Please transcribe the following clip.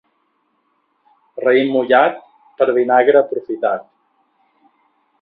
Raïm mullat, per vinagre aprofitat.